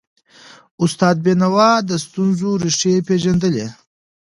استاد بینوا د ستونزو ریښې پېژندلي.